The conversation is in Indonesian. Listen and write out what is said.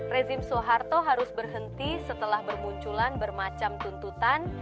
rezim soeharto harus berhenti setelah bermunculan bermacam tuntutan